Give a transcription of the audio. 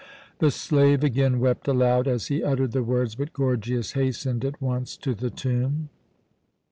The slave again wept aloud as he uttered the words, but Gorgias hastened at once to the tomb.